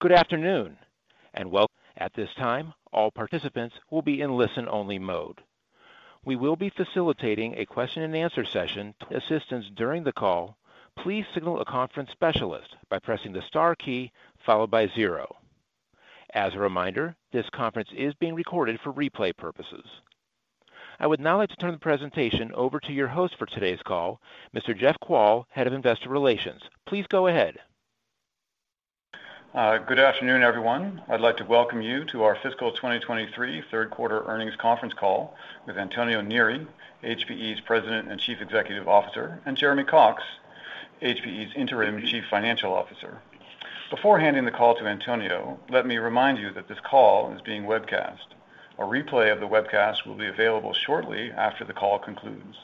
Good afternoon, and welcome. At this time, all participants will be in listen-only mode. We will be facilitating a question and answer session. For assistance during the call, please signal a conference specialist by pressing the star key followed by zero. As a reminder, this conference is being recorded for replay purposes. I would now like to turn the presentation over to your host for today's call, Mr. Jeff Kvaal; Head of Investor Relations. Please go ahead. Good afternoon, everyone. I'd like to welcome you to our fiscal 2023 Third Quarter Earnings Conference Call with Antonio Neri; HPE's President and Chief Executive Officer, and Jeremy Cox; HPE's Interim Chief Financial Officer. Before handing the call to Antonio, let me remind you that this call is being webcast. A replay of the webcast will be available shortly after the call concludes.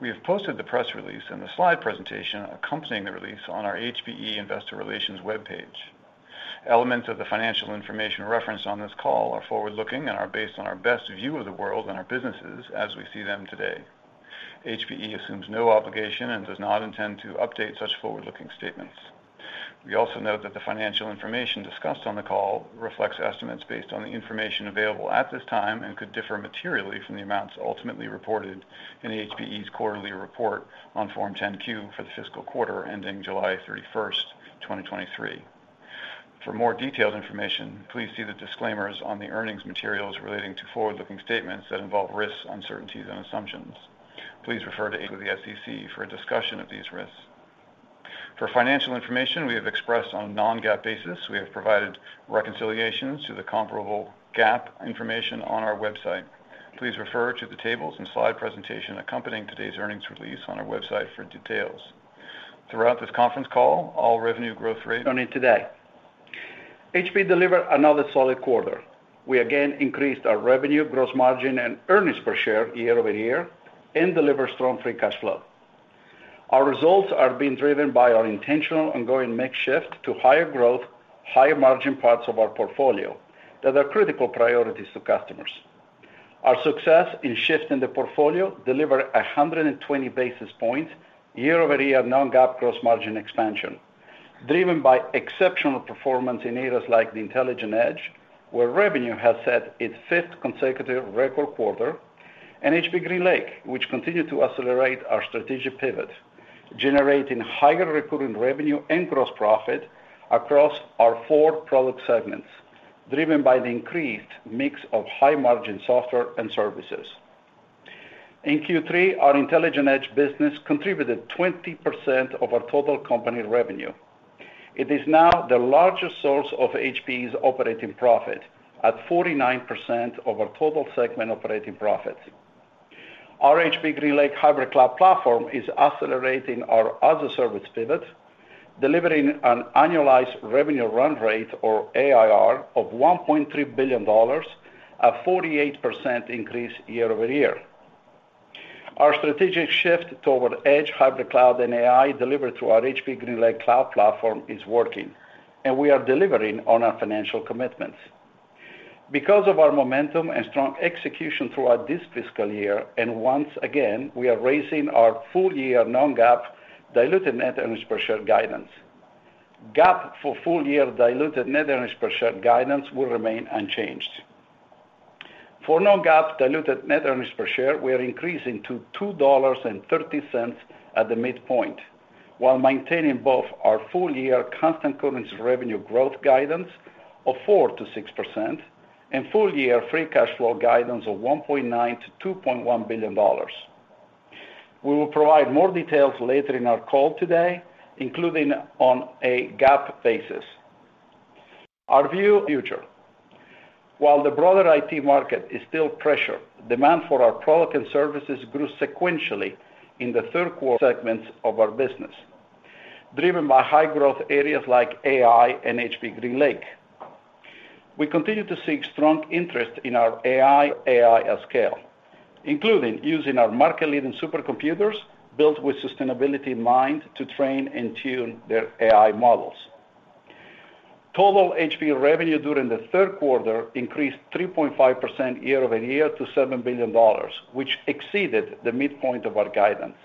We have posted the press release and the slide presentation accompanying the release on our HPE Investor Relations webpage. Elements of the financial information referenced on this call are forward-looking and are based on our best view of the world and our businesses as we see them today. HPE assumes no obligation and does not intend to update such forward-looking statements. We also note that the financial information discussed on the call reflects estimates based on the information available at this time and could differ materially from the amounts ultimately reported in HPE's quarterly report on Form 10-Q for the fiscal quarter ending July 31st, 2023. For more detailed information, please see the disclaimers on the earnings materials relating to forward-looking statements that involve risks, uncertainties, and assumptions. Please refer to our filings with the SEC for a discussion of these risks. For financial information we have expressed on a non-GAAP basis, we have provided reconciliations to the comparable GAAP information on our website. Please refer to the tables and slide presentation accompanying today's earnings release on our website for details. Throughout this conference call, all revenue growth rates- Today, HPE delivered another solid quarter. We again increased our revenue, gross margin, and earnings per share year-over-year and delivered strong free cash flow. Our results are being driven by our intentional ongoing mix shift to higher growth, higher margin parts of our portfolio that are critical priorities to customers. Our success in shifting the portfolio delivered 100 basis points year-over-year non-GAAP gross margin expansion, driven by exceptional performance in areas like the Intelligent Edge, where revenue has set its fifth consecutive record quarter, and HPE GreenLake, which continued to accelerate our strategic pivot, generating higher recurring revenue and gross profit across our four product segments, driven by the increased mix of high-margin software and services. In Q3, our Intelligent Edge business contributed 20% of our total company revenue. It is now the largest source of HPE's operating profit at 49% of our total segment operating profits. Our HPE GreenLake Hybrid Cloud platform is accelerating our as-a-service pivot, delivering an annualized revenue run rate, or ARR, of $1.3 billion, a 48% increase year-over-year. Our strategic shift toward Edge, hybrid cloud, and AI, delivered through our HPE GreenLake Cloud platform, is working, and we are delivering on our financial commitments. Because of our momentum and strong execution throughout this fiscal year, and once again, we are raising our full-year non-GAAP diluted net earnings per share guidance. GAAP for full-year diluted net earnings per share guidance will remain unchanged. For non-GAAP diluted net earnings per share, we are increasing to $2.30 at the midpoint, while maintaining both our full-year constant currency revenue growth guidance of 4%-6% and full-year free cash flow guidance of $1.9-2.1 billion. We will provide more details later in our call today, including on a GAAP basis. Our view future. While the broader IT market is still pressured, demand for our products and services grew sequentially in the third quarter segments of our business, driven by high-growth areas like AI and HPE GreenLake. We continue to see strong interest in our AI, AI at scale, including using our market-leading supercomputers, built with sustainability in mind, to train and tune their AI models. Total HPE revenue during the third quarter increased 3.5% year-over-year to $7 billion, which exceeded the midpoint of our guidance.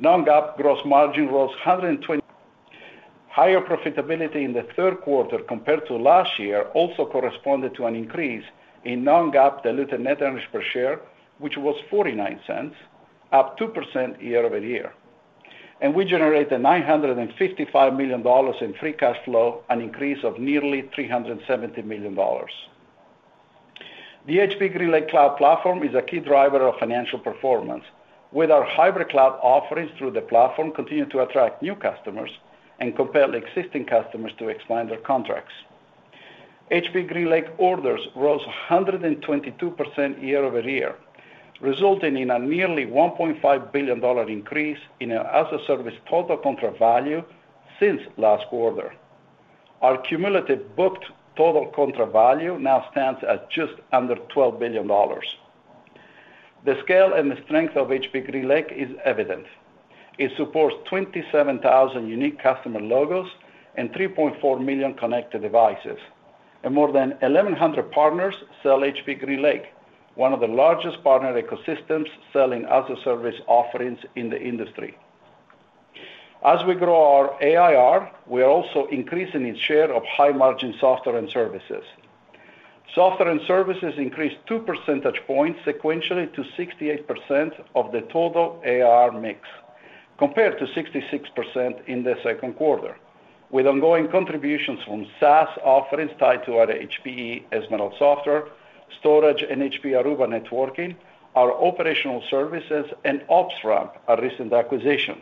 Non-GAAP gross margin was 27%. Higher profitability in the third quarter compared to last year also corresponded to an increase in non-GAAP diluted net earnings per share, which was $0.49, up 2% year-over-year. We generated $955 million in free cash flow, an increase of nearly $370 million. The HPE GreenLake Cloud platform is a key driver of financial performance, with our hybrid cloud offerings through the platform continuing to attract new customers and compel existing customers to expand their contracts. HPE GreenLake orders rose 122% year-over-year, resulting in a nearly $1.5 billion increase in our as-a-service total contract value since last quarter. Our cumulative booked total contract value now stands at just under $12 billion. The scale and the strength of HPE GreenLake is evident. It supports 27,000 unique customer logos and 3.4 million connected devices.... And more than 1,100 partners sell HPE GreenLake, one of the largest partner ecosystems selling as-a-service offerings in the industry. As we grow our AIR, we are also increasing its share of high-margin software and services. Software and services increased 2 percentage points sequentially to 68% of the total AIR mix, compared to 66% in the second quarter, with ongoing contributions from SaaS offerings tied to our HPE Ezmeral software, storage, and HPE Aruba Networking, our operational services, and OpsRamp, our recent acquisition.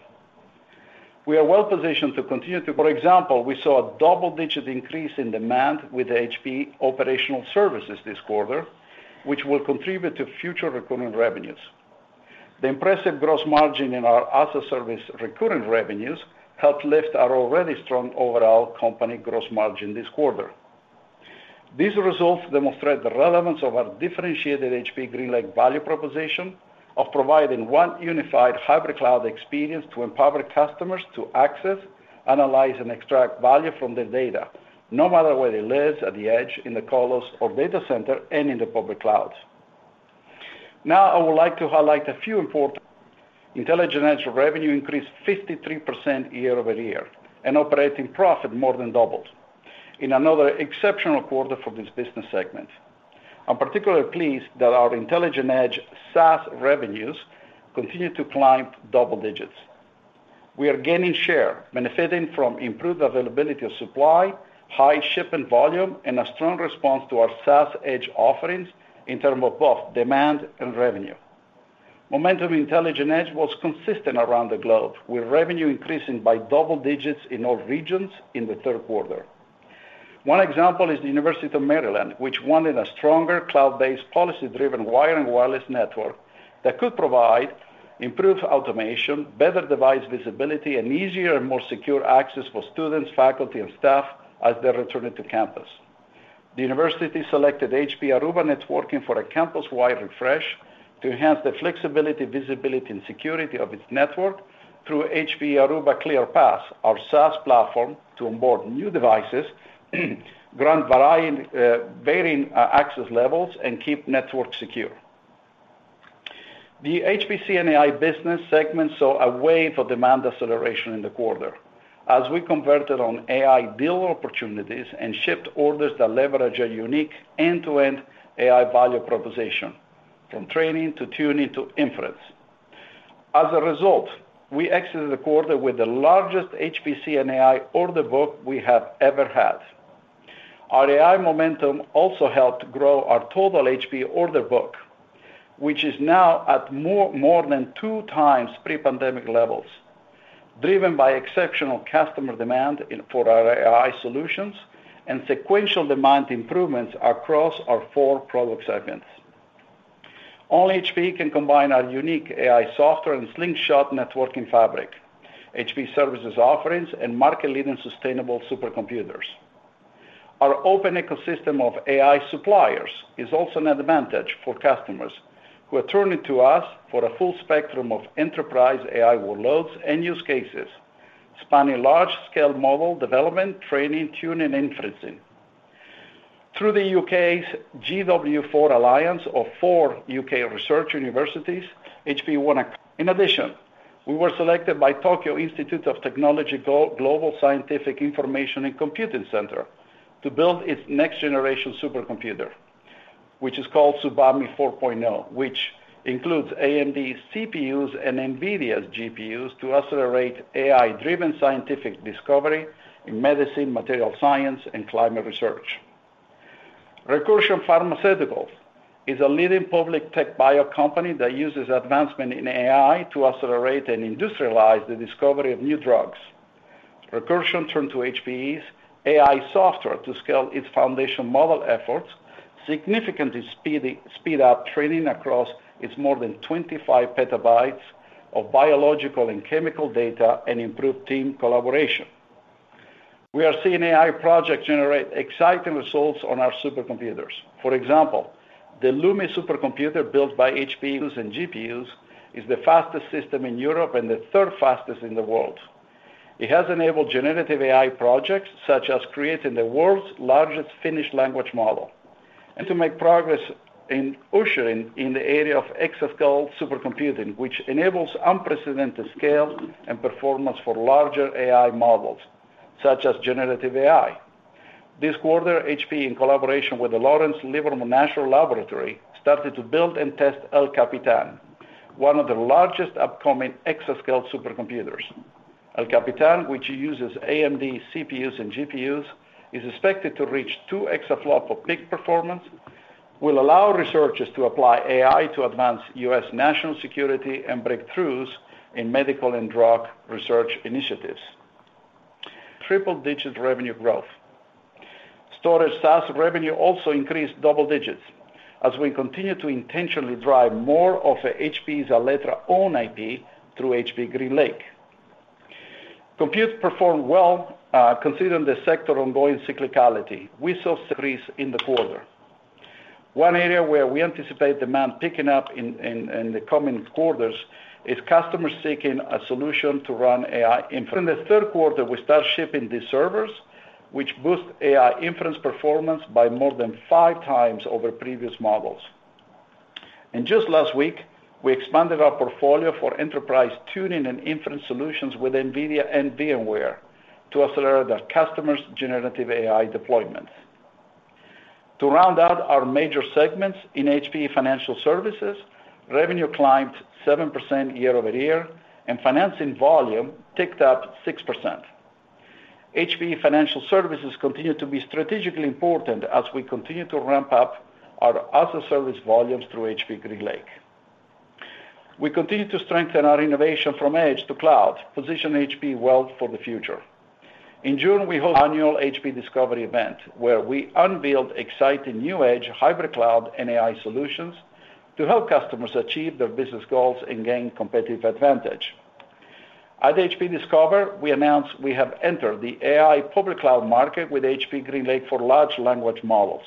We are well positioned to continue. For example, we saw a double-digit increase in demand with HPE Operational Services this quarter, which will contribute to future recurring revenues. The impressive gross margin in our as-a-service recurring revenues helped lift our already strong overall company gross margin this quarter. These results demonstrate the relevance of our differentiated HPE GreenLake value proposition of providing one unified hybrid cloud experience to empower customers to access, analyze, and extract value from their data, no matter where it lives, at the edge, in the core or data center, and in the public clouds. Now, I would like to highlight a few important. Intelligent Edge revenue increased 53% year-over-year, and operating profit more than doubled, in another exceptional quarter for this business segment. I'm particularly pleased that our Intelligent Edge SaaS revenues continue to climb double digits. We are gaining share, benefiting from improved availability of supply, high shipment volume, and a strong response to our SaaS Edge offerings in terms of both demand and revenue. Momentum Intelligent Edge was consistent around the globe, with revenue increasing by double digits in all regions in the third quarter. One example is the University of Maryland, which wanted a stronger cloud-based, policy-driven wired and wireless network that could provide improved automation, better device visibility, and easier and more secure access for students, faculty, and staff as they return to campus. The university selected HPE Aruba Networking for a campus-wide refresh to enhance the flexibility, visibility, and security of its network through HPE Aruba ClearPass, our SaaS platform, to onboard new devices, grant varying access levels, and keep networks secure. The HPC and AI business segment saw a wave of demand acceleration in the quarter as we converted on AI build opportunities and shipped orders that leverage our unique end-to-end AI value proposition, from training, to tuning, to inference. As a result, we exited the quarter with the largest HPC and AI order book we have ever had. Our AI momentum also helped grow our total HPE order book, which is now at more than two times pre-pandemic levels, driven by exceptional customer demand for our AI solutions and sequential demand improvements across our four product segments. Only HPE can combine our unique AI software and Slingshot networking fabric, HPE Services offerings, and market-leading sustainable supercomputers. Our open ecosystem of AI suppliers is also an advantage for customers who are turning to us for a full spectrum of enterprise AI workloads and use cases, spanning large-scale model development, training, tuning, and inferencing. Through the U.K.'s GW4 Alliance of four U.K. Research Universities, HPE won. In addition, we were selected by Tokyo Institute of Technology Global Scientific Information and Computing Center to build its next-generation supercomputer, which is called TSUBAME4.0, which includes AMD CPUs and NVIDIA GPUs to accelerate AI-driven scientific discovery in medicine, materials science, and climate research. Recursion Pharmaceuticals is a leading public tech bio company that uses advancement in AI to accelerate and industrialize the discovery of new drugs. Recursion turned to HPE's AI software to scale its foundation model efforts, significantly speed up training across its more than 25 PB of biological and chemical data and improve team collaboration. We are seeing AI projects generate exciting results on our supercomputers. For example, the LUMI supercomputer, built by HPE using GPUs, is the fastest system in Europe and the third fastest in the world. It has enabled generative AI projects, such as creating the world's largest Finnish language model, and to make progress in ushering in the era of exascale supercomputing, which enables unprecedented scale and performance for larger AI models, such as generative AI. This quarter, HPE, in collaboration with the Lawrence Livermore National Laboratory, started to build and test El Capitan, one of the largest upcoming exascale supercomputers. El Capitan, which uses AMD CPUs and GPUs, is expected to reach two exaflops of peak performance. It will allow researchers to apply AI to advance U.S. national security and breakthroughs in medical and drug research initiatives. Triple-digit revenue growth. Storage SaaS revenue also increased double digits, as we continue to intentionally drive more of HPE Alletra own IP through HPE GreenLake. Compute performed well, considering the sector ongoing cyclicality. We saw increase in the quarter. One area where we anticipate demand picking up in the coming quarters is customers seeking a solution to run AI. In the third quarter, we start shipping these servers, which boost AI inference performance by more than five times over previous models. Just last week, we expanded our portfolio for enterprise tuning and inference solutions with NVIDIA and VMware to accelerate our customers' generative AI deployments. To round out our major segments in HPE Financial Services, revenue climbed 7% year-over-year, and financing volume ticked up 6%. HPE Financial Services continue to be strategically important as we continue to ramp up our as-a-service volumes through HPE GreenLake. We continue to strengthen our innovation from edge to cloud, position HPE well for the future. In June, we held annual HPE Discover event, where we unveiled exciting new edge, hybrid cloud, and AI solutions to help customers achieve their business goals and gain competitive advantage. At HPE Discover, we announced we have entered the AI public cloud market with HPE GreenLake for Large Language Models.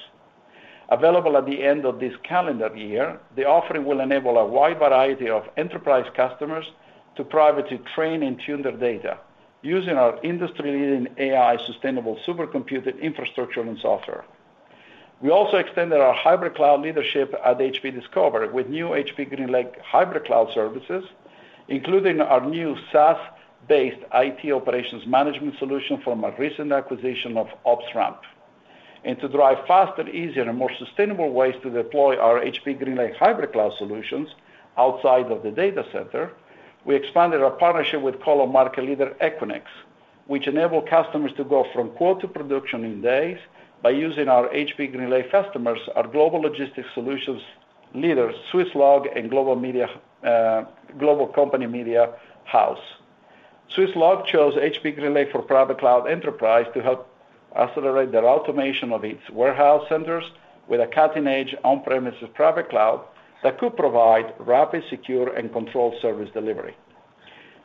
Available at the end of this calendar year, the offering will enable a wide variety of enterprise customers to privately train and tune their data using our industry-leading AI sustainable supercomputing infrastructure and software. We also extended our hybrid cloud leadership at HPE Discover with new HPE GreenLake Hybrid Cloud Services, including our new SaaS-based IT operations management solution from our recent acquisition of OpsRamp. To drive faster, easier, and more sustainable ways to deploy our HPE GreenLake Hybrid Cloud solutions outside of the data center, we expanded our partnership with colocation market leader, Equinix, which enable customers to go from quote to production in days by using our HPE GreenLake customers, our global logistics solutions leaders, Swisslog, and global media company, Mediahuis. Swisslog chose HPE GreenLake for Private Cloud Enterprise to help accelerate their automation of its warehouse centers with a cutting-edge on-premises private cloud that could provide rapid, secure, and controlled service delivery.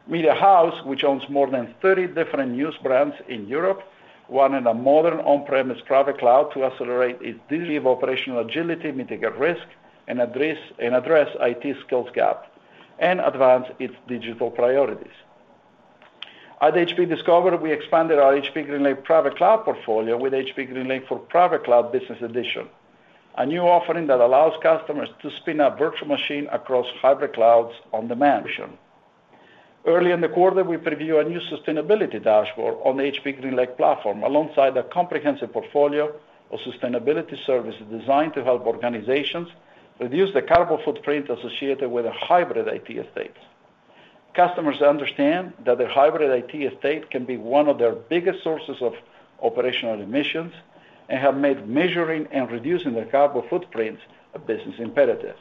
Mediahuis, which owns more than 30 different news brands in Europe, one in a modern on-premise private cloud, to accelerate its delivery of operational agility, mitigate risk, and address IT skills gap, and advance its digital priorities. At HPE Discover, we expanded our HPE GreenLake Private Cloud portfolio with HPE GreenLake for Private Cloud Business Edition, a new offering that allows customers to spin a virtual machine across hybrid clouds on-demand. Early in the quarter, we previewed a new sustainability dashboard on the HPE GreenLake platform, alongside a comprehensive portfolio of sustainability services designed to help organizations reduce the carbon footprint associated with a hybrid IT estate. Customers understand that their hybrid IT estate can be one of their biggest sources of operational emissions and have made measuring and reducing their carbon footprint a business imperative.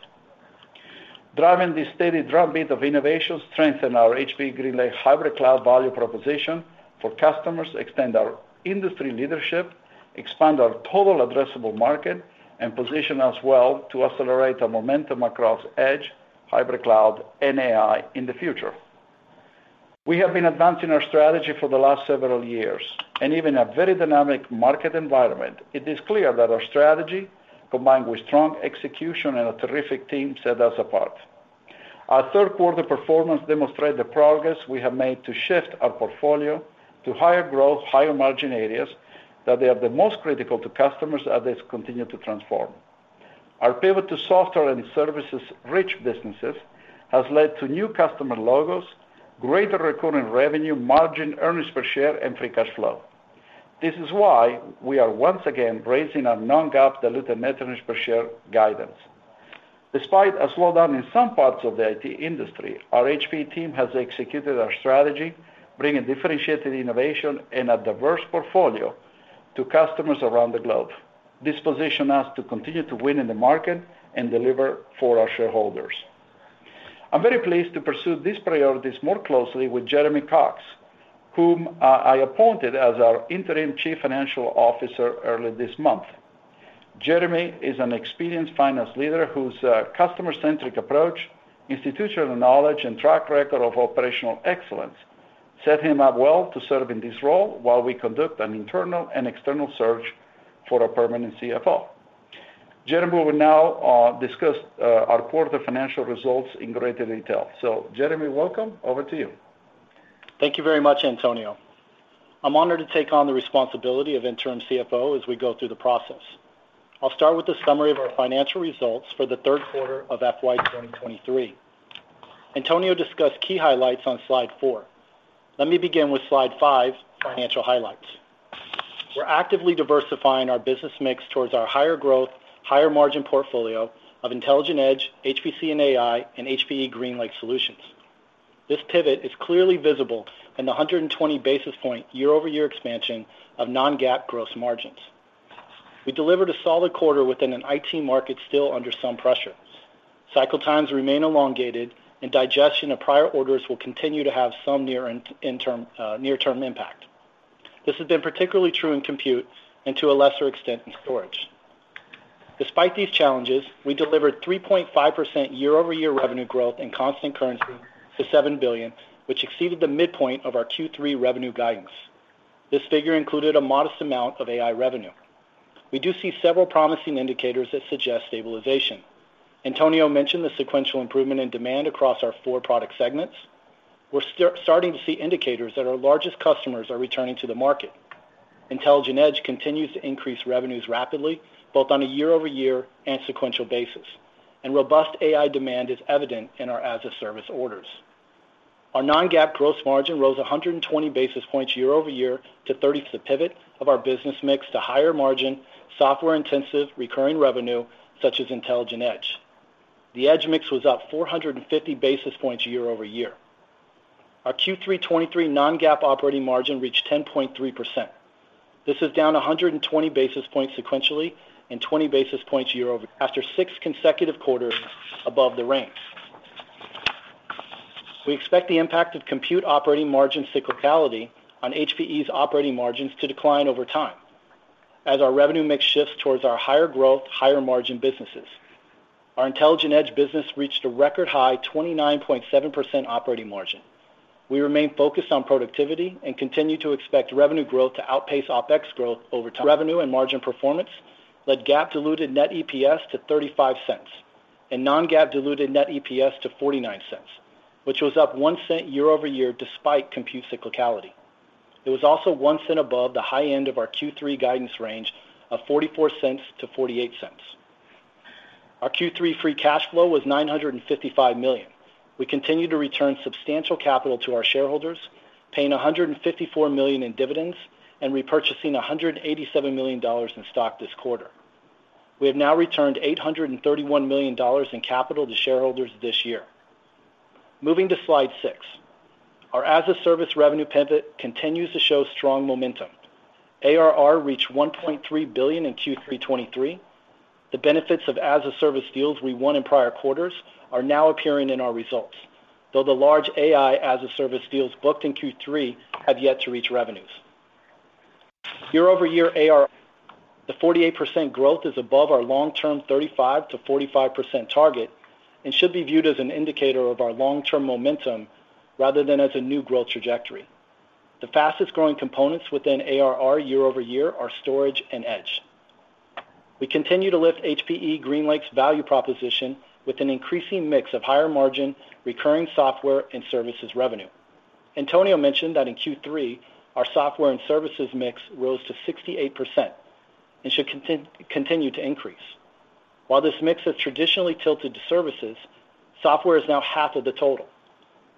Driving this steady drumbeat of innovation, strengthen our HPE GreenLake hybrid cloud value proposition for customers, extend our industry leadership, expand our total addressable market, and position us well to accelerate the momentum across edge, hybrid cloud, and AI in the future. We have been advancing our strategy for the last several years, and even a very dynamic market environment, it is clear that our strategy, combined with strong execution and a terrific team, set us apart. Our third quarter performance demonstrate the progress we have made to shift our portfolio to higher growth, higher margin areas, that they are the most critical to customers as they continue to transform. Our pivot to software and services-rich businesses has led to new customer logos, greater recurring revenue, margin, earnings per share, and free cash flow. This is why we are once again raising our Non-GAAP diluted net earnings per share guidance. Despite a slowdown in some parts of the IT industry, our HPE team has executed our strategy, bringing differentiated innovation and a diverse portfolio to customers around the globe. This position us to continue to win in the market and deliver for our shareholders. I'm very pleased to pursue these priorities more closely with Jeremy Cox, whom I appointed as our Interim Chief Financial Officer earlier this month. Jeremy is an experienced finance leader whose customer-centric approach, institutional knowledge, and track record of operational excellence set him up well to serve in this role while we conduct an internal and external search for a permanent CFO. Jeremy will now discuss our quarter financial results in greater detail. So Jeremy, welcome. Over to you. Thank you very much, Antonio. I'm honored to take on the responsibility of interim CFO as we go through the process. I'll start with a summary of our financial results for the third quarter of FY 2023. Antonio discussed key highlights on slide four. Let me begin with slide five, financial highlights. We're actively diversifying our business mix towards our higher growth, higher margin portfolio of Intelligent Edge, HPC and AI, and HPE GreenLake Solutions. This pivot is clearly visible in the 120 basis point year-over-year expansion of non-GAAP gross margins. We delivered a solid quarter within an IT market still under some pressure. Cycle times remain elongated, and digestion of prior orders will continue to have some near-term impact. This has been particularly true in compute and to a lesser extent, in storage. Despite these challenges, we delivered 3.5% year-over-year revenue growth and constant currency to $7 billion, which exceeded the midpoint of our Q3 revenue guidance. This figure included a modest amount of AI revenue. We do see several promising indicators that suggest stabilization. Antonio mentioned the sequential improvement in demand across our four product segments. We're starting to see indicators that our largest customers are returning to the market. Intelligent Edge continues to increase revenues rapidly, both on a year-over-year and sequential basis, and robust AI demand is evident in our as-a-service orders. Our non-GAAP gross margin rose 120 basis points year-over-year to 30%, pivot of our business mix to higher-margin, software-intensive, recurring revenue, such as Intelligent Edge. The Edge mix was up 450 basis points year-over-year. Our Q3 2023 non-GAAP operating margin reached 10.3%. This is down 120 basis points sequentially and 20 basis points year-over-year, after six consecutive quarters above the range. We expect the impact of compute operating margin cyclicality on HPE's operating margins to decline over time as our revenue mix shifts towards our higher growth, higher margin businesses. Our Intelligent Edge business reached a record high, 29.7% operating margin. We remain focused on productivity and continue to expect revenue growth to outpace OpEx growth over time. Revenue and margin performance led GAAP diluted net EPS to $0.35 and non-GAAP diluted net EPS to $0.49, which was up $0.01 year-over-year, despite compute cyclicality. It was also $0.01 above the high end of our Q3 guidance range of $0.44-$0.48. Our Q3 free cash flow was $955 million. We continue to return substantial capital to our shareholders, paying $154 million in dividends and repurchasing $187 million in stock this quarter. We have now returned $831 million in capital to shareholders this year. Moving to slide 6. Our as-a-service revenue pivot continues to show strong momentum. ARR reached $1.3 billion in Q3 2023. The benefits of as-a-service deals we won in prior quarters are now appearing in our results, though the large AI as-a-service deals booked in Q3 have yet to reach revenues. Year-over-year ARR, the 48% growth is above our long-term 35%-45% target and should be viewed as an indicator of our long-term momentum rather than as a new growth trajectory. The fastest growing components within ARR year-over-year are storage and edge. We continue to lift HPE GreenLake's value proposition with an increasing mix of higher margin, recurring software and services revenue. Antonio mentioned that in Q3, our software and services mix rose to 68% and should continue to increase. While this mix has traditionally tilted to services, software is now half of the total.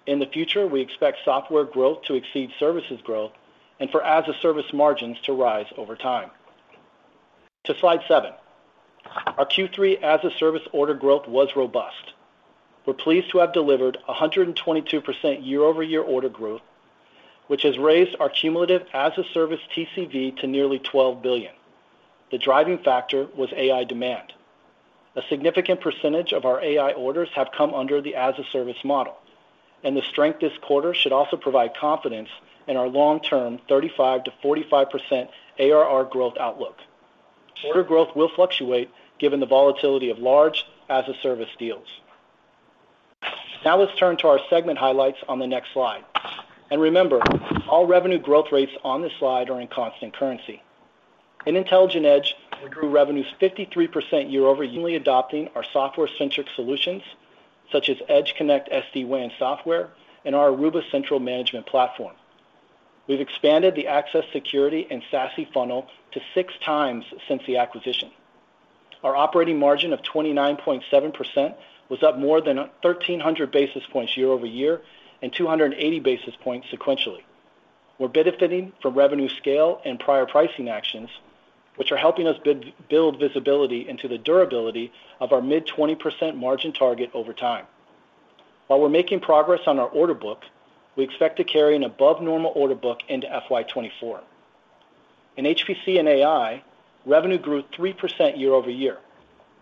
In the future, we expect software growth to exceed services growth and for as-a-service margins to rise over time. To slide seven. Our Q3 as-a-service order growth was robust. We're pleased to have delivered a 122% year-over-year order growth, which has raised our cumulative as-a-service TCV to nearly $12 billion. The driving factor was AI demand. A significant percentage of our AI orders have come under the as-a-service model, and the strength this quarter should also provide confidence in our long-term 35%-45% ARR growth outlook. Order growth will fluctuate given the volatility of large as-a-service deals. Now, let's turn to our segment highlights on the next slide. Remember, all revenue growth rates on this slide are in constant currency. In Intelligent Edge, we grew revenues 53% year-over-year... adopting our software-centric solutions, such as EdgeConnect SD-WAN software and our Aruba Central management platform. We've expanded the access, security, and SASE funnel to six times since the acquisition. Our operating margin of 29.7% was up more than 1,300 basis points year-over-year and 280 basis points sequentially. We're benefiting from revenue scale and prior pricing actions, which are helping us build visibility into the durability of our mid-20% margin target over time. While we're making progress on our order book, we expect to carry an above-normal order book into FY 2024. In HPC and AI, revenue grew 3% year-over-year.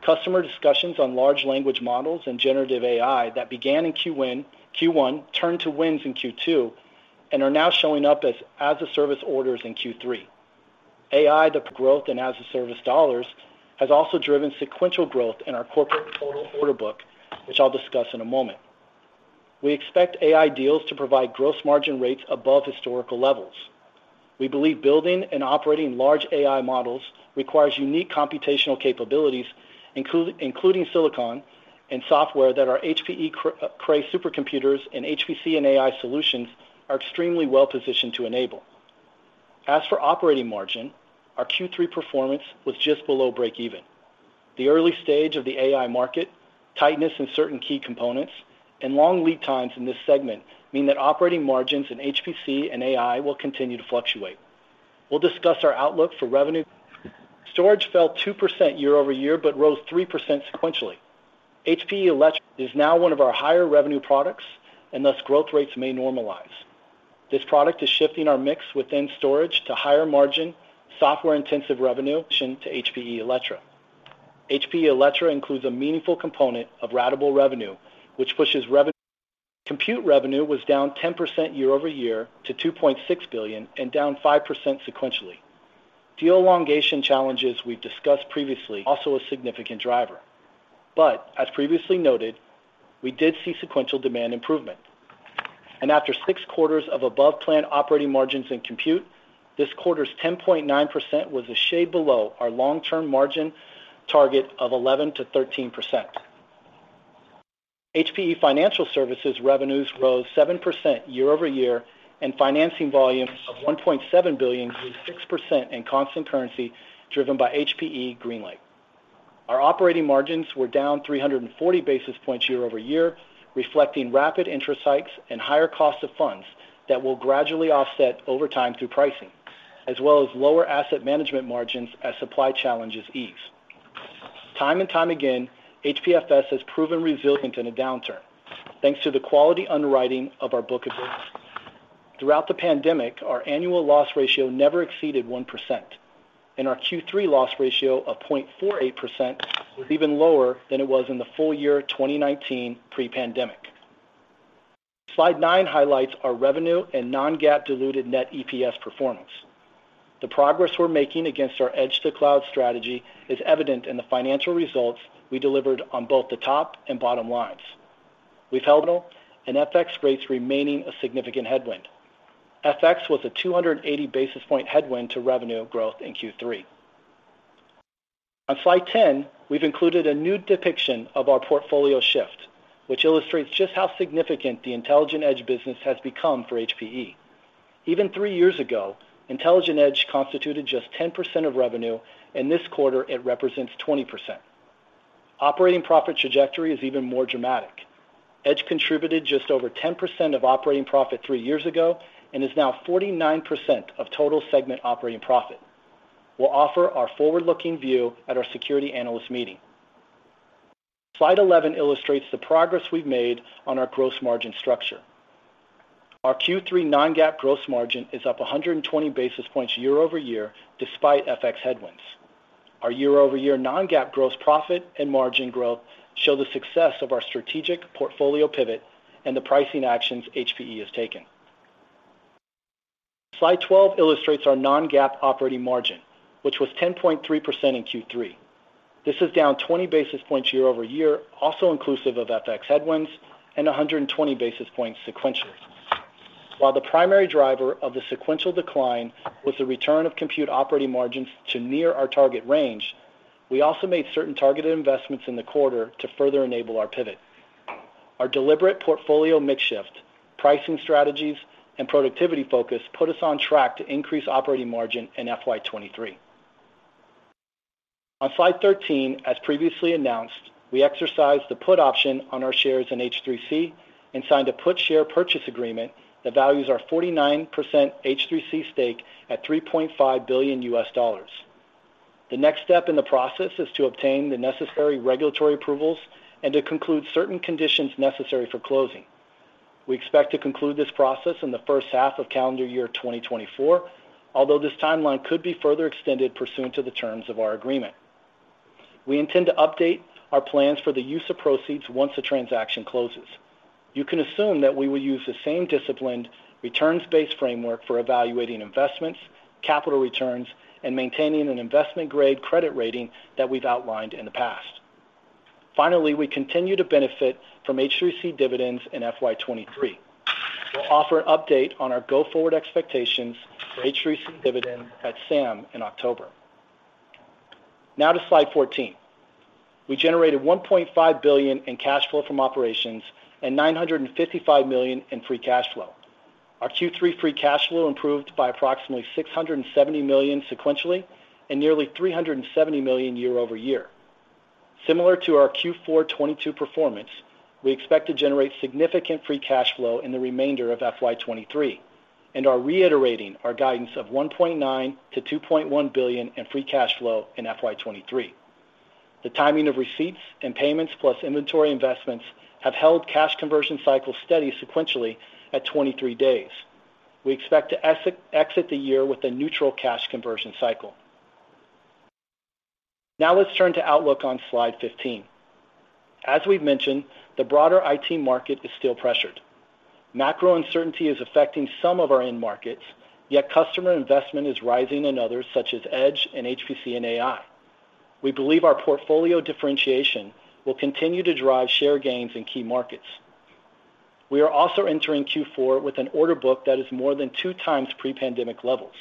Customer discussions on large language models and Generative AI that began in Q1 turned to wins in Q2, and are now showing up as as-a-service orders in Q3. AI, the growth and as-a-service dollars, has also driven sequential growth in our corporate total order book, which I'll discuss in a moment. We expect AI deals to provide gross margin rates above historical levels. We believe building and operating large AI models requires unique computational capabilities, including silicon and software, that our HPE Cray supercomputers and HPC and AI solutions are extremely well positioned to enable. As for operating margin, our Q3 performance was just below breakeven. The early stage of the AI market, tightness in certain key components, and long lead times in this segment mean that operating margins in HPC and AI will continue to fluctuate. We'll discuss our outlook for revenue... Storage fell 2% year-over-year, but rose 3% sequentially. HPE Alletra is now one of our higher revenue products, and thus growth rates may normalize. This product is shifting our mix within storage to higher margin, software-intensive revenue to HPE Alletra. HPE Alletra includes a meaningful component of ratable revenue, which pushes revenue. Compute revenue was down 10% year-over-year to $2.6 billion and down 5% sequentially. The elongation challenges we've discussed previously, also a significant driver. But as previously noted, we did see sequential demand improvement. After six quarters of above-plan operating margins in Compute, this quarter's 10.9% was a shade below our long-term margin target of 11%-13%. HPE Financial Services revenues rose 7% year-over-year, and financing volumes of $1.7 billion, grew 6% in constant currency, driven by HPE GreenLake. Our operating margins were down 340 basis points year-over-year, reflecting rapid interest hikes and higher costs of funds that will gradually offset over time through pricing, as well as lower asset management margins as supply challenges ease. Time and time again, HPFS has proven resilient in a downturn, thanks to the quality underwriting of our book of business. Throughout the pandemic, our annual loss ratio never exceeded 1%, and our Q3 loss ratio of 0.48% was even lower than it was in the full year 2019 pre-pandemic. Slide 9 highlights our revenue and non-GAAP diluted net EPS performance. The progress we're making against our Edge-to-Cloud strategy is evident in the financial results we delivered on both the top and bottom lines. We've held and FX rates remaining a significant headwind. FX was a 280 basis point headwind to revenue growth in Q3. On Slide 10, we've included a new depiction of our portfolio shift, which illustrates just how significant the Intelligent Edge business has become for HPE. Even three years ago, Intelligent Edge constituted just 10% of revenue, and this quarter it represents 20%. Operating profit trajectory is even more dramatic. Edge contributed just over 10% of operating profit three years ago and is now 49% of total segment operating profit. We'll offer our forward-looking view at our Security Analyst Meeting. Slide 11 illustrates the progress we've made on our gross margin structure. Our Q3 non-GAAP gross margin is up 120 basis points year-over-year, despite FX headwinds. Our year-over-year non-GAAP gross profit and margin growth show the success of our strategic portfolio pivot and the pricing actions HPE has taken. Slide 12 illustrates our non-GAAP operating margin, which was 10.3% in Q3. This is down 20 basis points year-over-year, also inclusive of FX headwinds and 120 basis points sequentially. While the primary driver of the sequential decline was the return of Compute operating margins to near our target range, we also made certain targeted investments in the quarter to further enable our pivot. Our deliberate portfolio mix shift, pricing strategies, and productivity focus put us on track to increase operating margin in FY 2023. On Slide 13, as previously announced, we exercised the put option on our shares in H3C and signed a put share purchase agreement that values our 49% H3C stake at $3.5 billion. The next step in the process is to obtain the necessary regulatory approvals and to conclude certain conditions necessary for closing. We expect to conclude this process in the first half of calendar year 2024, although this timeline could be further extended pursuant to the terms of our agreement. We intend to update our plans for the use of proceeds once the transaction closes. You can assume that we will use the same disciplined returns-based framework for evaluating investments, capital returns, and maintaining an investment-grade credit rating that we've outlined in the past. Finally, we continue to benefit from H3C dividends in FY 2023. We'll offer an update on our go-forward expectations for H3C dividends at SAM in October. Now to Slide 14. We generated $1.5 billion in cash flow from operations and $955 million in free cash flow. Our Q3 free cash flow improved by approximately $670 million sequentially and nearly $370 million year-over-year. Similar to our Q4 2022 performance, we expect to generate significant free cash flow in the remainder of FY 2023 and are reiterating our guidance of $1.9 billion-$2.1 billion in free cash flow in FY 2023. The timing of receipts and payments, plus inventory investments, have held cash conversion cycle steady sequentially at 23 days. We expect to exit the year with a neutral cash conversion cycle. Now, let's turn to outlook on Slide 15. As we've mentioned, the broader IT market is still pressured. Macro uncertainty is affecting some of our end markets, yet customer investment is rising in others, such as Edge and HPC and AI. We believe our portfolio differentiation will continue to drive share gains in key markets. We are also entering Q4 with an order book that is more than 2x pre-pandemic levels.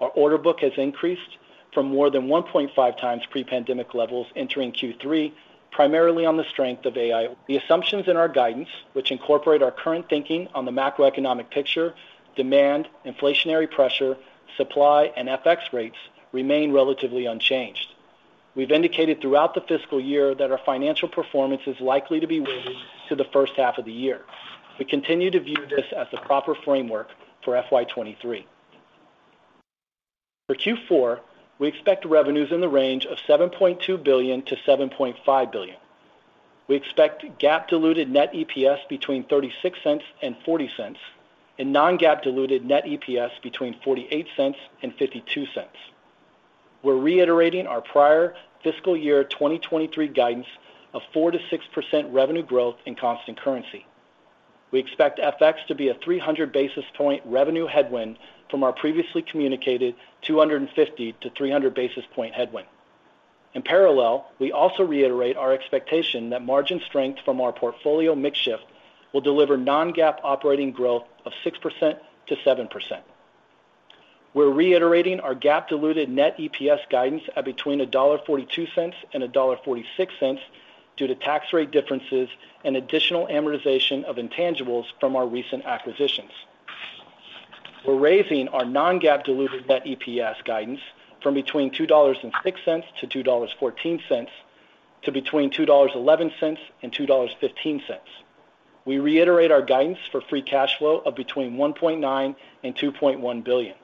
Our order book has increased from more than 1.5 times pre-pandemic levels entering Q3, primarily on the strength of AI. The assumptions in our guidance, which incorporate our current thinking on the macroeconomic picture, demand, inflationary pressure, supply, and FX rates, remain relatively unchanged. We've indicated throughout the fiscal year that our financial performance is likely to be weighted to the first half of the year. We continue to view this as the proper framework for FY 2023. For Q4, we expect revenues in the range of $7.2 -7.5 billion. We expect GAAP diluted net EPS between $0.36 and $0.40, and non-GAAP diluted net EPS between $0.48 and $0.52. We're reiterating our prior fiscal year 2023 guidance of 4%-6% revenue growth in constant currency.... We expect FX to be a 300 basis point revenue headwind from our previously communicated 250-300 basis point headwind. In parallel, we also reiterate our expectation that margin strength from our portfolio mix shift will deliver non-GAAP operating growth of 6%-7%. We're reiterating our GAAP diluted net EPS guidance at between $1.42 and $1.46 due to tax rate differences and additional amortization of intangibles from our recent acquisitions. We're raising our non-GAAP diluted net EPS guidance from between $2.06 and $2.14, to between $2.11 and $2.15. We reiterate our guidance for free cash flow of between $1.9 billion and $2.1 billion.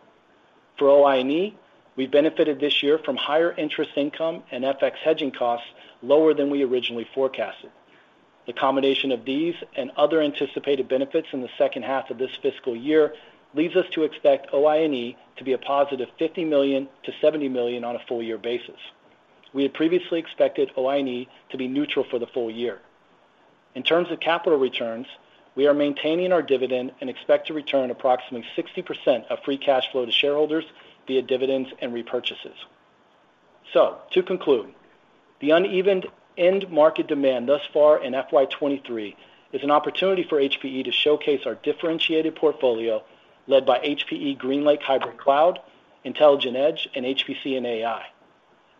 For OI&E, we benefited this year from higher interest income and FX hedging costs lower than we originally forecasted. The combination of these and other anticipated benefits in the second half of this fiscal year leads us to expect OI&E to be a positive $50-70 million on a full year basis. We had previously expected OI&E to be neutral for the full year. In terms of capital returns, we are maintaining our dividend and expect to return approximately 60% of free cash flow to shareholders via dividends and repurchases. So to conclude, the uneven end market demand thus far in FY 2023 is an opportunity for HPE to showcase our differentiated portfolio, led by HPE GreenLake hybrid cloud, Intelligent Edge, and HPC and AI.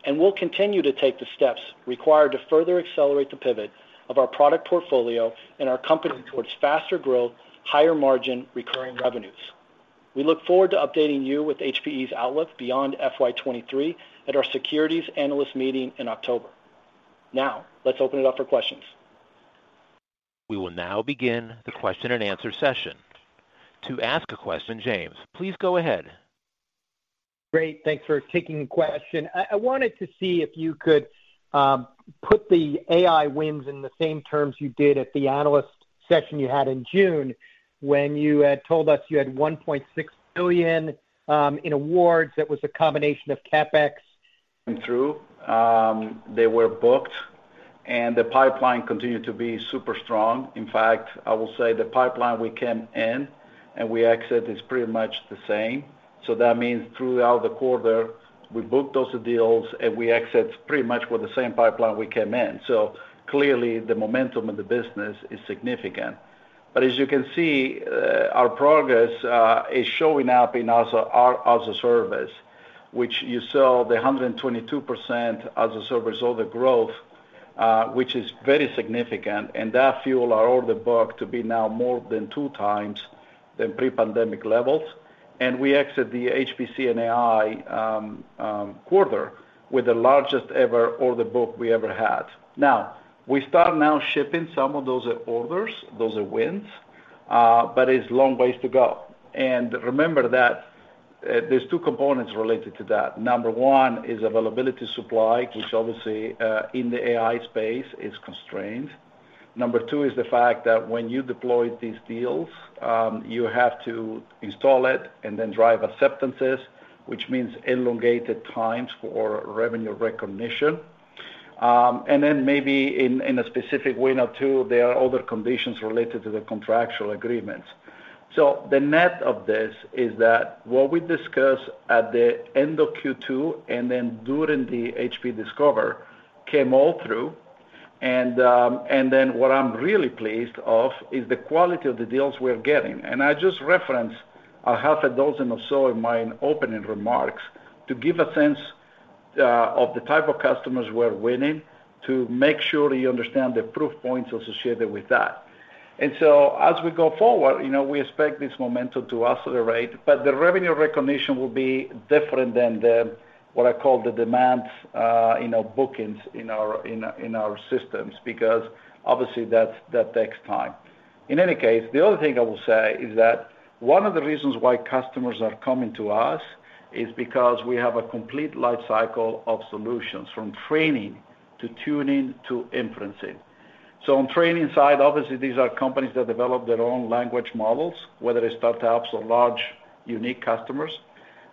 We'll continue to take the steps required to further accelerate the pivot of our product portfolio and our company towards faster growth, higher margin, recurring revenues. We look forward to updating you with HPE's outlook beyond FY23 at our Securities Analyst Meeting in October. Now, let's open it up for questions. We will now begin the question and answer session. To ask a question, James, please go ahead. Great. Thanks for taking the question. I, I wanted to see if you could put the AI wins in the same terms you did at the analyst session you had in June, when you had told us you had $1.6 billion in awards. That was a combination of CapEx. Come through, they were booked, and the pipeline continued to be super strong. In fact, I will say the pipeline we came in and we exit is pretty much the same. So that means throughout the quarter, we booked those deals and we exit pretty much with the same pipeline we came in. So clearly, the momentum of the business is significant. But as you can see, our progress is showing up in also our As-a-Service, which you saw the 122% As-a-Service order growth, which is very significant, and that fuel our order book to be now more than 2 times than pre-pandemic levels. And we exit the HPC and AI quarter with the largest ever order book we ever had. Now, we start now shipping some of those orders, those wins, but it's long ways to go. And remember that, there's two components related to that. Number one is availability supply, which obviously, in the AI space, is constrained. Number two is the fact that when you deploy these deals, you have to install it and then drive acceptances, which means elongated times for revenue recognition. And then maybe in, in a specific win or two, there are other conditions related to the contractual agreements. So the net of this is that what we discussed at the end of Q2 and then during the HPE Discover, came all through. And, and then what I'm really pleased of is the quality of the deals we are getting. And I just referenced a half a dozen or so in my opening remarks to give a sense of the type of customers we're winning, to make sure you understand the proof points associated with that. And so as we go forward, you know, we expect this momentum to accelerate, but the revenue recognition will be different than the, what I call the demand, you know, bookings in our systems, because obviously, that's, that takes time. In any case, the other thing I will say is that one of the reasons why customers are coming to us is because we have a complete lifecycle of solutions, from training, to tuning, to inferencing. So on training side, obviously, these are companies that develop their own language models, whether it's startups or large, unique customers.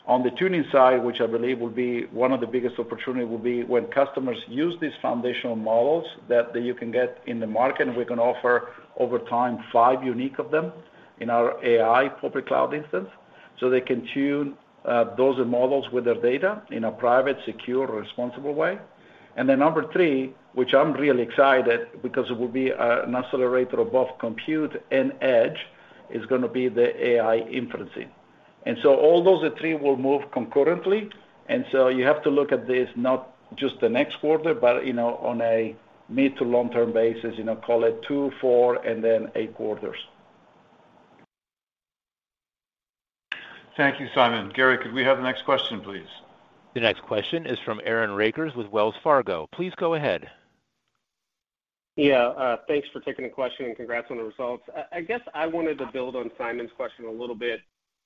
On the tuning side, which I believe will be one of the biggest opportunity, will be when customers use these foundational models that you can get in the market, and we can offer, over time, five unique of them in our AI Public Cloud instance. So they can tune those models with their data in a private, secure, responsible way. Then number three, which I'm really excited because it will be an accelerator of both Compute and Edge, is gonna be the AI inferencing. So all those three will move concurrently. So you have to look at this, not just the next quarter, but, you know, on a mid- to long-term basis, you know, call it two, four, and then eight quarters. Thank you, Simon. Gary, could we have the next question, please? The next question is from Aaron Rakers with Wells Fargo. Please go ahead. Yeah, thanks for taking the question, and congrats on the results. I guess I wanted to build on Simon's question a little bit.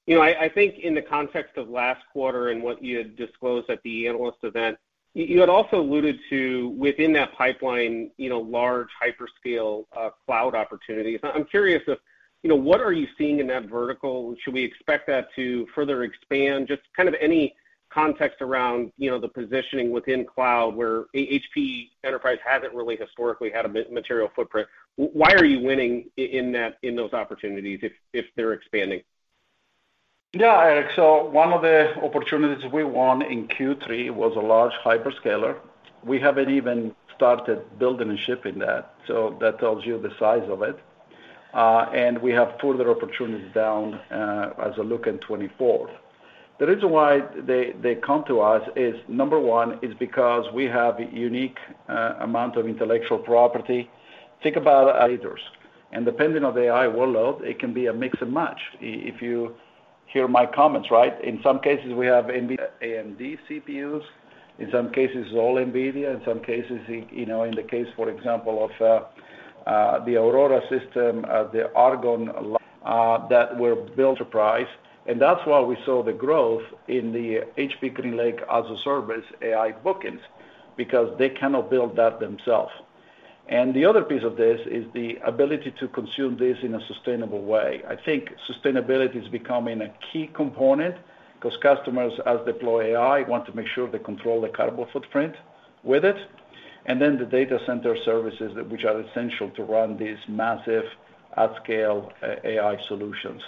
You know, I think in the context of last quarter and what you had disclosed at the analyst event, you had also alluded to, within that pipeline, you know, large hyperscale cloud opportunities. I'm curious if, you know, what are you seeing in that vertical? Should we expect that to further expand? Just kind of any context around, you know, the positioning within cloud, where HPE Enterprise hasn't really historically had a material footprint. Why are you winning in that, in those opportunities if they're expanding? Yeah, Aaron, so one of the opportunities we won in Q3 was a large hyperscaler. We haven't even started building and shipping that, so that tells you the size of it. And we have further opportunities down as we look in 2024. The reason why they come to us is, number one, is because we have a unique amount of intellectual property. Think about it, leaders, and depending on the AI workload, it can be a mix and match. If you hear my comments, right? In some cases, we have NVIDIA and AMD CPUs, in some cases, it's all NVIDIA, in some cases, you know, in the case, for example, of the Aurora system, the Argonne that were built enterprise. And that's why we saw the growth in the HPE GreenLake as-a-service AI bookings, because they cannot build that themselves. The other piece of this is the ability to consume this in a sustainable way. I think sustainability is becoming a key component because customers, as they deploy AI, want to make sure they control the carbon footprint with it, and then the data center services, which are essential to run these massive at-scale AI solutions.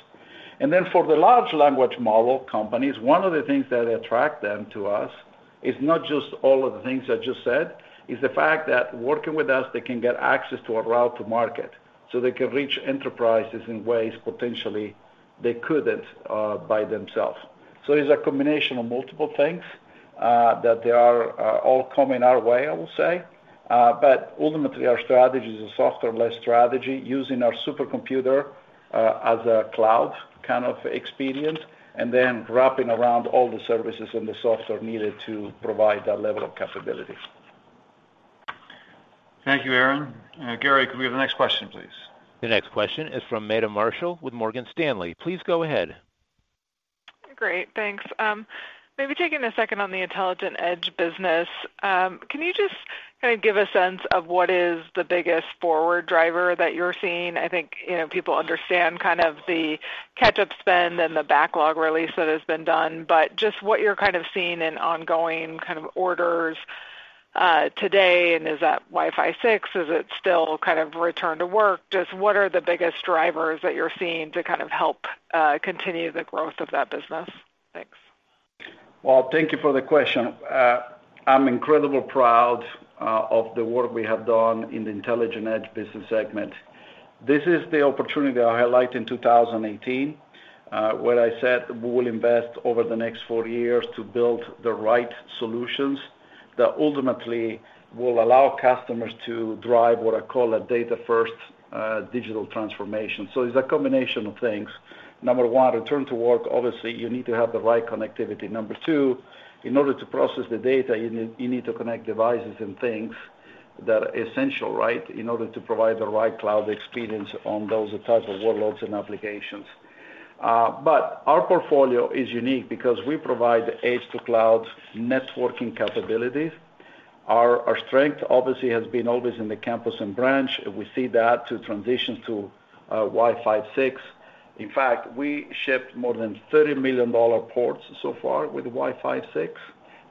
And then for the large language model companies, one of the things that attract them to us is not just all of the things I just said, is the fact that working with us, they can get access to a route to market, so they can reach enterprises in ways potentially they couldn't by themselves. So it's a combination of multiple things that they are all coming our way, I will say. But ultimately, our strategy is a software-led strategy, using our supercomputer as a cloud kind of experience, and then wrapping around all the services and the software needed to provide that level of capability. Thank you, Aaron. Gary, could we have the next question, please? The next question is from Meta Marshall with Morgan Stanley. Please go ahead. Great, thanks. Maybe taking a second on the Intelligent Edge business. Can you just kind of give a sense of what is the biggest forward driver that you're seeing? I think, you know, people understand kind of the catch-up spend and the backlog release that has been done, but just what you're kind of seeing in ongoing kind of orders, today, and is that Wi-Fi 6? Is it still kind of return to work? Just what are the biggest drivers that you're seeing to kind of help continue the growth of that business? Thanks. Well, thank you for the question. I'm incredibly proud of the work we have done in the Intelligent Edge business segment. This is the opportunity I highlight in 2018, where I said we will invest over the next four years to build the right solutions that ultimately will allow customers to drive what I call a data-first digital transformation. So it's a combination of things. Number one, return to work. Obviously, you need to have the right connectivity. Number two, in order to process the data, you need to connect devices and things that are essential, right? In order to provide the right cloud experience on those types of workloads and applications. But our portfolio is unique because we provide edge-to-cloud networking capabilities. Our strength obviously has been always in the campus and branch. We see that to transition to Wi-Fi 6. In fact, we shipped more than 30 million ports so far with Wi-Fi 6.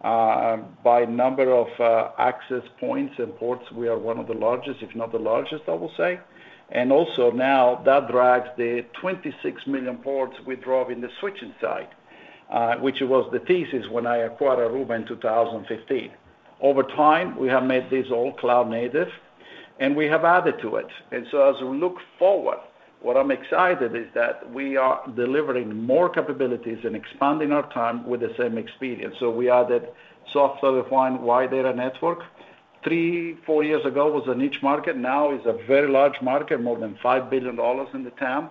By number of access points and ports, we are one of the largest, if not the largest, I will say. And also now that drives the 26 million ports we drive in the switching side, which was the thesis when I acquired Aruba in 2015. Over time, we have made these all cloud native, and we have added to it. So as we look forward, what I'm excited is that we are delivering more capabilities and expanding our TAM with the same experience. So we added software-defined wide area network. Three to four years ago, it was a niche market. Now it's a very large market, more than $5 billion in the TAM,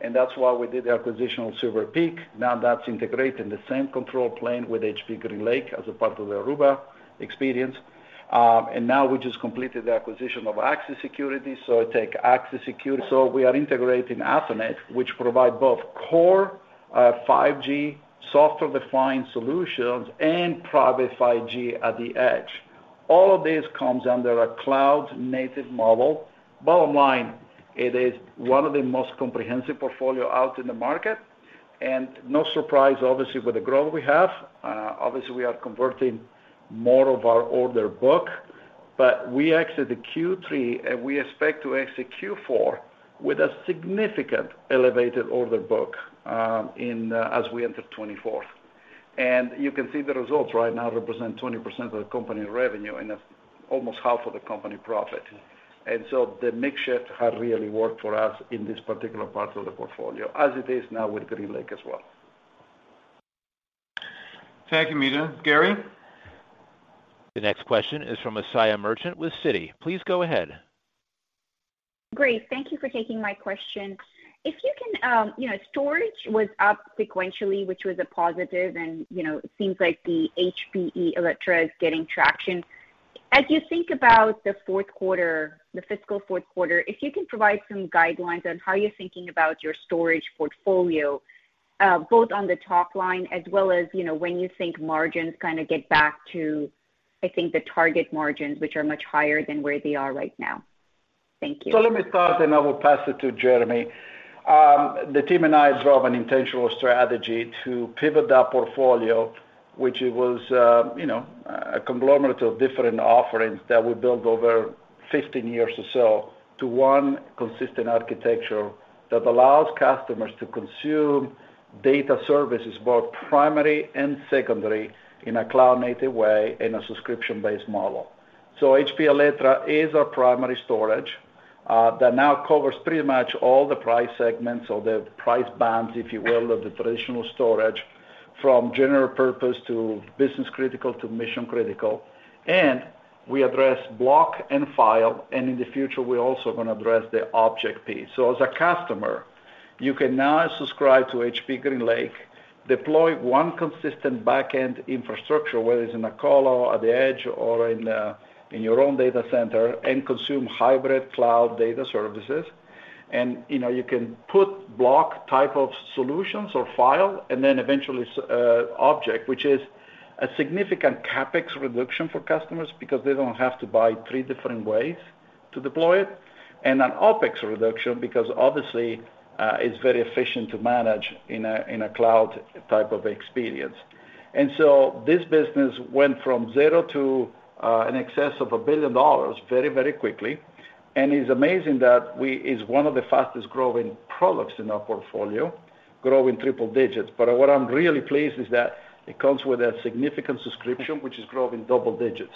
and that's why we did the acquisition of Silver Peak. Now that's integrated in the same control plane with HPE GreenLake as a part of the Aruba experience. And now we just completed the acquisition of Axis Security, so take Axis Security. So we are integrating Athonet, which provide both core, 5G software-defined solutions and private 5G at the edge. All of this comes under a cloud-native model. Bottom line, it is one of the most comprehensive portfolio out in the market, and no surprise, obviously, with the growth we have, obviously we are converting more of our order book, but we exited Q3, and we expect to exit Q4 with a significant elevated order book, in, as we enter 2024. You can see the results right now represent 20% of the company's revenue, and that's almost half of the company profit. So the mix shift has really worked for us in this particular part of the portfolio, as it is now with GreenLake as well. Thank you, Meta. Gary? The next question is from Asiya Merchant with Citi. Please go ahead. Great. Thank you for taking my question. If you can, you know, storage was up sequentially, which was a positive and, you know, it seems like the HPE Alletra is getting traction. As you think about the fourth quarter, the fiscal fourth quarter, if you can provide some guidelines on how you're thinking about your storage portfolio, both on the top line as well as, you know, when you think margins kind of get back to, I think the target margins, which are much higher than where they are right now. So let me start, and I will pass it to Jeremy. The team and I drove an intentional strategy to pivot that portfolio, which it was, you know, a conglomerate of different offerings that we built over 15 years or so, to one consistent architecture that allows customers to consume data services, both primary and secondary, in a cloud-native way, in a subscription-based model. So HPE Alletra is our primary storage, that now covers pretty much all the price segments or the price bands, if you will, of the traditional storage, from general purpose to business critical to mission critical. And we address block and file, and in the future, we're also going to address the object piece. So as a customer, you can now subscribe to HPE GreenLake, deploy one consistent back-end infrastructure, whether it's in a colo, at the edge, or in your own data center, and consume hybrid cloud data services. And, you know, you can put block type of solutions or file, and then eventually object, which is a significant CapEx reduction for customers because they don't have to buy three different ways to deploy it, and an OpEx reduction, because obviously it's very efficient to manage in a cloud type of experience. And so this business went from zero to in excess of $1 billion very, very quickly, and it's amazing that it's one of the fastest growing products in our portfolio, growing triple digits. But what I'm really pleased is that it comes with a significant subscription, which is growing double digits.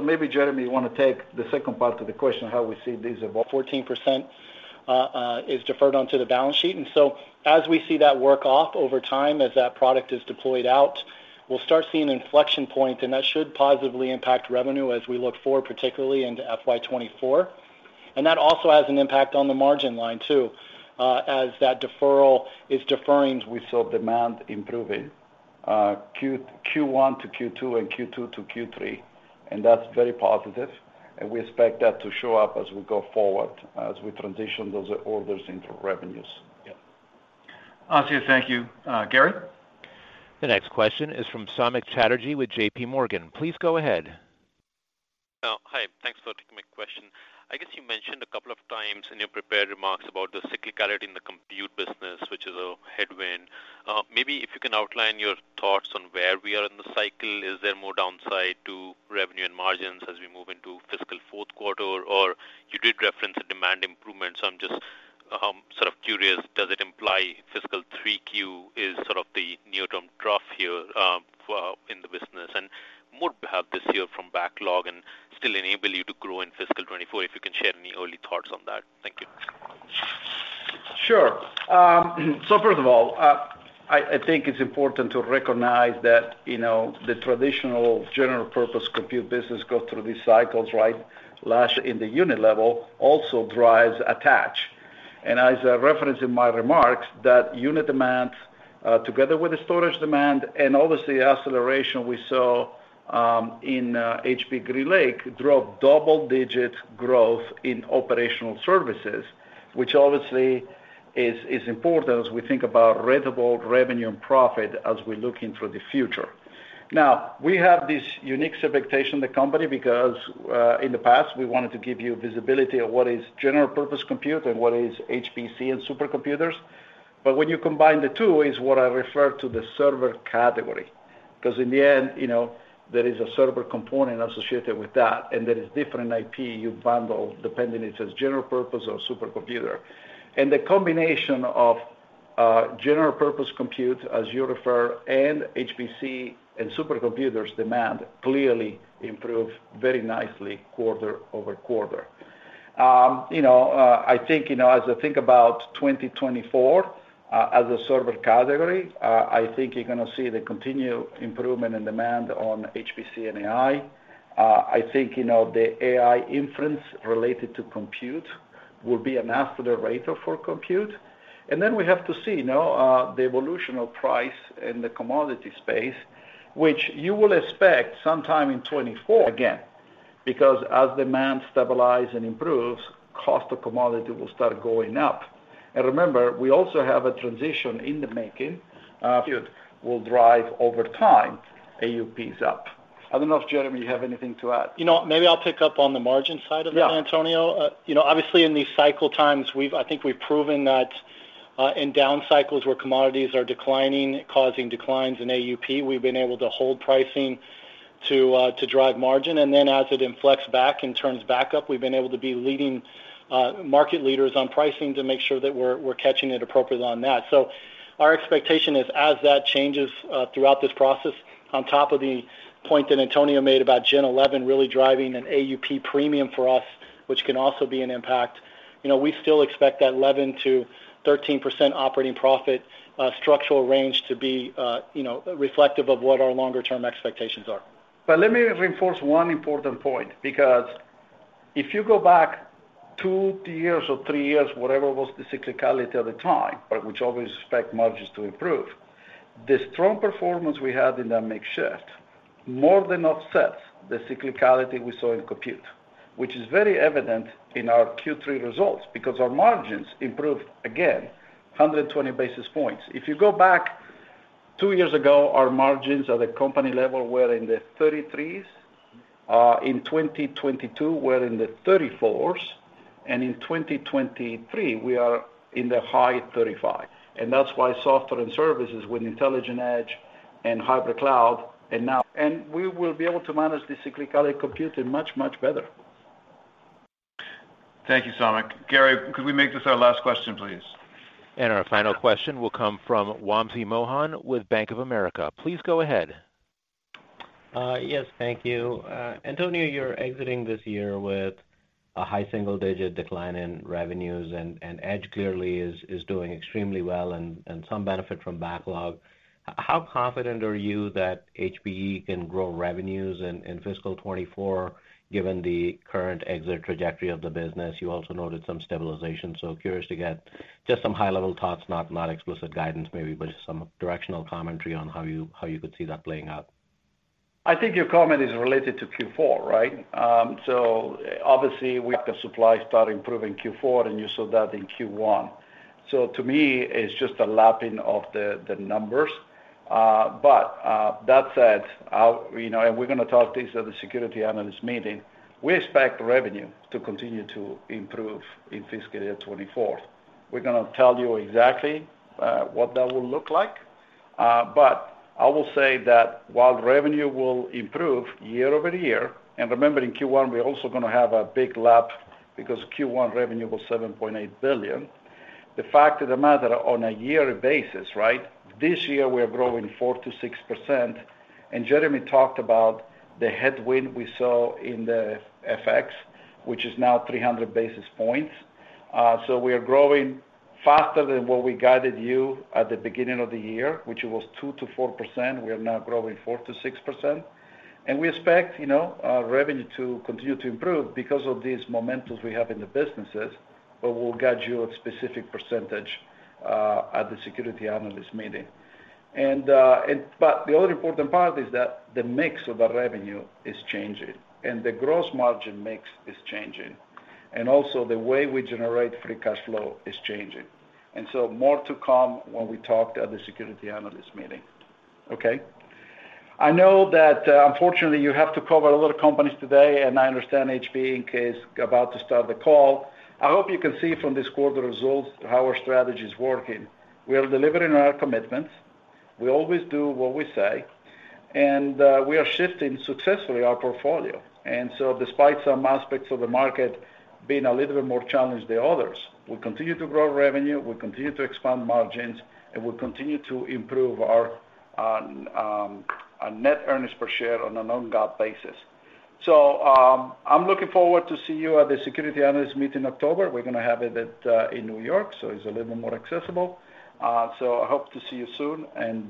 Maybe, Jeremy, you want to take the second part of the question, how we see these evolve? 14% is deferred onto the balance sheet. And so as we see that work off over time, as that product is deployed out, we'll start seeing an inflection point, and that should positively impact revenue as we look forward, particularly into FY 2024. And that also has an impact on the margin line, too. As that deferral is deferring, we saw demand improving, Q1 to Q2 and Q2 to Q3, and that's very positive, and we expect that to show up as we go forward, as we transition those orders into revenues. Yeah. Asiya, thank you. Gary? The next question is from Samik Chatterjee with JP Morgan. Please go ahead. Hi, thanks for taking my question. I guess you mentioned a couple of times in your prepared remarks about the cyclicality in the compute business, which is a headwind. Maybe if you can outline your thoughts on where we are in the cycle, is there more downside to revenue and margins as we move into fiscal fourth quarter? Or you did reference the demand improvements, so I'm just sort of curious, does it imply fiscal 3Q is sort of the near-term trough here for in the business? And more perhaps this year from backlog and still enable you to grow in fiscal 2024, if you can share any early thoughts on that. Thank you. Sure. So first of all, I think it's important to recognize that, you know, the traditional general purpose compute business goes through these cycles, right? Slack in the unit level also drives attach. And as I referenced in my remarks, that unit demand, together with the storage demand and obviously the acceleration we saw in HPE GreenLake, drove double-digit growth in operational services, which obviously is important as we think about ratable revenue and profit as we look into the future. Now, we have this unique expectation in the company because in the past, we wanted to give you visibility of what is general purpose compute and what is HPC and supercomputers. But when you combine the two, is what I refer to the server category. 'Cause in the end, you know, there is a server component associated with that, and there is different IP you bundle, depending if it's general purpose or supercomputer. And the combination of general purpose compute, as you refer, and HPC and supercomputers demand, clearly improve very nicely quarter-over-quarter. You know, I think, you know, as I think about 2024, as a server category, I think you're gonna see the continued improvement in demand on HPC and AI. I think, you know, the AI inference related to compute will be an accelerator for compute. And then we have to see, you know, the evolution of price in the commodity space, which you will expect sometime in 2024 again, because as demand stabilize and improves, cost of commodity will start going up. Remember, we also have a transition in the making, compute will drive over time, AUPs up. I don't know if, Jeremy, you have anything to add. You know, maybe I'll pick up on the margin side of that, Antonio. Yeah. You know, obviously, in these cycle times, we've. I think we've proven that, in down cycles where commodities are declining, causing declines in AUP, we've been able to hold pricing to, to drive margin, and then as it inflects back and turns back up, we've been able to be leading, market leaders on pricing to make sure that we're catching it appropriately on that. So our expectation is as that changes, throughout this process, on top of the point that Antonio made about Gen 11 really driving an AUP premium for us, which can also be an impact, you know, we still expect that 11%-13% operating profit, structural range to be, you know, reflective of what our longer-term expectations are. But let me reinforce one important point, because if you go back two years or three years, whatever was the cyclicality at the time, but which always expect margins to improve, the strong performance we had in that mix shift more than offsets the cyclicality we saw in compute, which is very evident in our Q3 results, because our margins improved again, 120 basis points. Two years ago, our margins at the company level were in the 33s. In 2022, we're in the 34s, and in 2023, we are in the high 35s. And that's why software and services with Intelligent Edge and hybrid cloud and now we will be able to manage the cyclicality of computing much, much better. Thank you, Samik. Gary, could we make this our last question, please? Our final question will come from Wamsi Mohan with Bank of America. Please go ahead. Yes, thank you. Antonio, you're exiting this year with a high single-digit decline in revenues, and Edge clearly is doing extremely well and some benefit from backlog. How confident are you that HPE can grow revenues in fiscal 2024, given the current exit trajectory of the business? You also noted some stabilization. So curious to get just some high-level thoughts, not explicit guidance, maybe, but just some directional commentary on how you could see that playing out. I think your comment is related to Q4, right? So obviously, we have the supply start improving Q4, and you saw that in Q1. So to me, it's just a lapping of the numbers. But that said, I'll-- you know, and we're gonna talk this at the Security Analyst Meeting. We expect revenue to continue to improve in fiscal year 2024. We're gonna tell you exactly what that will look like, but I will say that while revenue will improve year-over-year, and remember, in Q1, we're also gonna have a big lap because Q1 revenue was $7.8 billion. The fact of the matter, on a yearly basis, right, this year, we are growing 4%-6%, and Jeremy talked about the headwind we saw in the FX, which is now 300 basis points. So we are growing faster than what we guided you at the beginning of the year, which was 2%-4%. We are now growing 4%-6%, and we expect, you know, our revenue to continue to improve because of these momentums we have in the businesses, but we'll guide you a specific percentage at the Security Analyst Meeting. And, and but the other important part is that the mix of the revenue is changing, and the gross margin mix is changing, and also the way we generate free cash flow is changing. And so more to come when we talk at the Security Analyst Meeting. Okay? I know that, unfortunately, you have to cover a lot of companies today, and I understand HPE Inc. is about to start the call. I hope you can see from this quarter results how our strategy is working. We are delivering on our commitments. We always do what we say, and we are shifting successfully our portfolio. And so despite some aspects of the market being a little bit more challenged than others, we'll continue to grow revenue, we'll continue to expand margins, and we'll continue to improve our net earnings per share on a non-GAAP basis. So, I'm looking forward to see you at the Security Analyst Meeting in October. We're gonna have it at in New York, so it's a little more accessible. So I hope to see you soon, and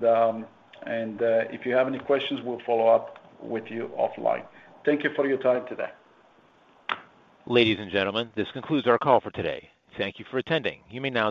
if you have any questions, we'll follow up with you offline. Thank you for your time today. Ladies and gentlemen, this concludes our call for today. Thank you for attending. You may now disconnect.